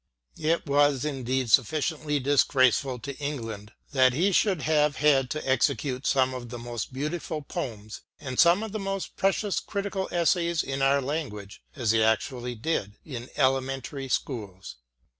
It was indeed, sufficiently disgraceful to England that he should have had to execute some of the most beautiful poems and some of the most MATTHEW ARNOLD 179 precious critical essays in our language, as he actually did, in elementary schools.